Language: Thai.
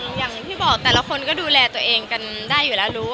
อย่างที่บอกแต่ละคนก็ดูแลตัวเองกันได้อยู่แล้วรู้